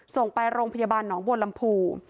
ส่งไปโรงพยาบาลหนองบัวลำพู